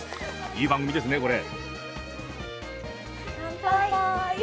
いい番組ですね、これ。